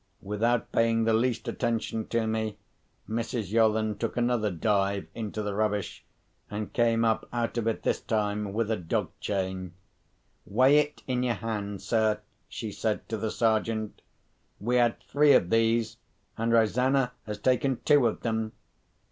Without paying the least attention to me, Mrs. Yolland took another dive into the rubbish, and came up out of it, this time, with a dog chain. "Weigh it in your hand, sir," she said to the Sergeant. "We had three of these; and Rosanna has taken two of them.